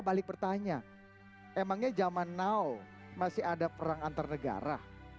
balik bertanya emangnya zaman now masih ada perang antarnegara emangnya masih ada serang